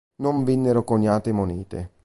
Non vennero coniate monete.